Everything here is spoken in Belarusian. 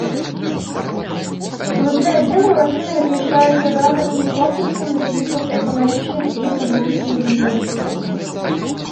Унутры аддзелаў расліны размяшчаюцца радавымі комплексамі з улікам экалагічных асаблівасцяў відаў.